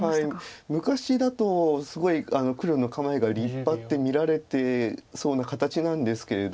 昔だとすごい黒の構えが立派って見られてそうな形なんですけれど。